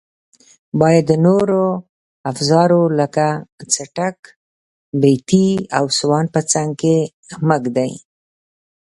باید د نورو افزارو لکه څټک، بیاتي او سوان په څنګ کې مه ږدئ.